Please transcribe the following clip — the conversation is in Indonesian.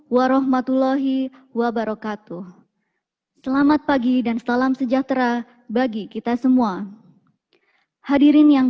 warahmatullahi wabarokatul selamat pagi dan salam sejahtera bagi kita semua hadirin yang